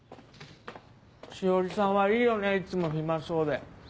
詩織さんはいいよねいつも暇そうで。